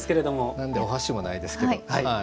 なのでお箸もないですけども。